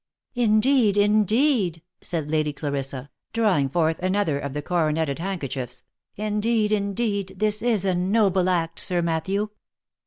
" Indeed, indeed," said Lady Clarissa, drawing forth another of the coronetted handkerchiefs, " indeed, indeed, this is a noble act, Sir Matthew